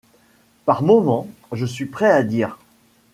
Par moments, je suis prêt à dire :